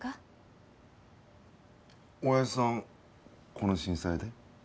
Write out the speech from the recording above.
この震災で？